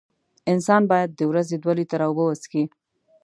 انسان باید د ورځې دوه لېټره اوبه وڅیښي.